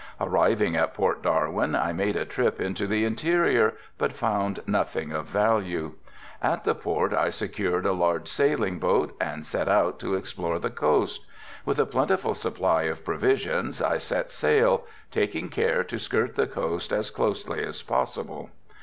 Arriving at Port Darwin I made a trip into the interior but found nothing of value. At the Port I secured a large sailing boat and set out to explore the coast. With a plentiful supply of provisions I set sail, taking care to skirt the coast as closely as possible.